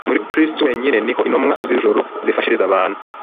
Muri Kristo wenyine ni ho intumwa z’ijuru zifashiriza abantu.